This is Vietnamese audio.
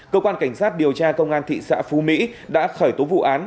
cơ quan cảnh sát điều tra công an thị xã phú mỹ đã khởi tố vụ án